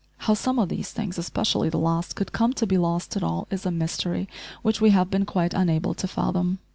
How some of these things, especially the last, could come to be lost at all, is a mystery which we have been quite unable to fathom.